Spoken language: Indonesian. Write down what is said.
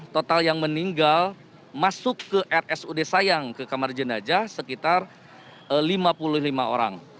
total yang meninggal masuk ke rsud sayang ke kamar jenajah sekitar lima puluh lima orang